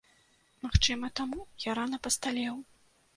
Магчыма таму, я рана пасталеў.